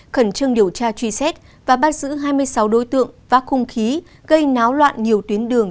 khẩn trương điều tra truy xét và bắt giữ hai mươi sáu đối tượng vác khung khí gây náo loạn nhiều tuyến đường